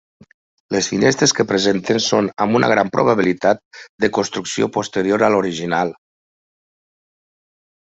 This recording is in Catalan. Les finestres que presenten són amb una gran probabilitat de construcció posterior a l'original.